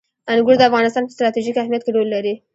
انګور د افغانستان په ستراتیژیک اهمیت کې رول لري.